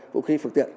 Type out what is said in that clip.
vũ khí phục tiện